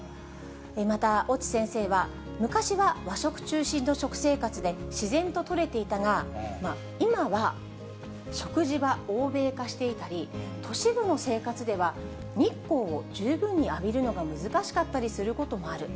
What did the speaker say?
また、越智先生は、昔は和食中心の食生活で、自然ととれていたが、今は食事は欧米化していたり、都市部の生活では日光を十分に浴びるのが難しかったりすることもある。